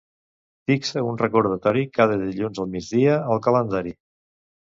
Fixa un recordatori cada dilluns al migdia al calendari.